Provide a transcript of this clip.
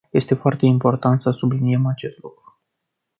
Este foarte important să subliniem acest lucru.